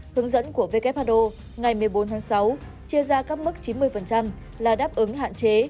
hướng dẫn của who ngày một mươi bốn tháng sáu chia ra các mức chín mươi là đáp ứng hạn chế